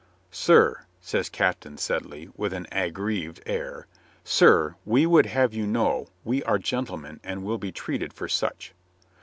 "Sir," says Captain Sedley, with an aggrieved air, "sir, we would have you know we are gentlemen and will be treated for such."